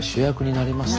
なりますね。